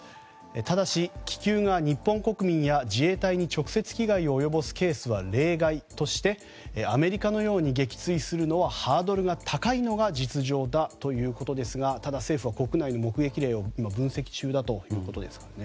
ただし、気球が日本国民や自衛隊に直接被害を及ぼすケースは例外としてアメリカのように撃墜するのはハードルが高いのが実情だということですがただ、政府は国内の目撃例を今分析中だということですからね。